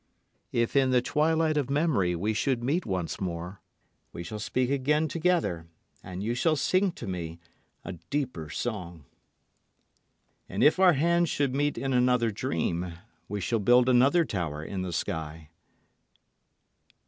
If in the twilight of memory we should meet once more, we shall speak again together and you shall sing to me a deeper song. And if our hands should meet in another dream we shall build another tower in the sky.